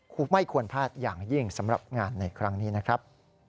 ไม่ควรพลาดอย่างยิ่งสำหรับงานในครั้งนี้นะครับ